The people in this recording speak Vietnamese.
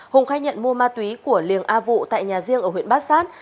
hùng khai nhận mua ma túy của liềng a vụ tại nhà riêng ở huyện bát sát